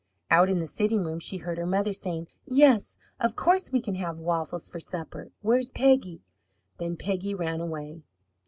Out in the sitting room she heard her mother saying, "Yes, of course we can have waffles for supper. Where's Peggy?" Then Peggy ran away.